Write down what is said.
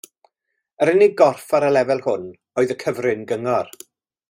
Yr unig gorff ar y lefel hwn oedd y Cyfrin-gyngor.